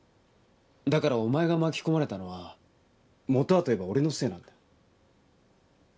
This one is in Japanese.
だからお前が巻き込まれたのは本はといえば俺のせいなんだ。